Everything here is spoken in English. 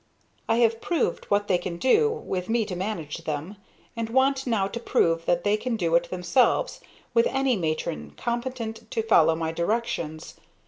"I have proved what they can do, with me to manage them, and want now to prove that they can do it themselves, with any matron competent to follow my directions.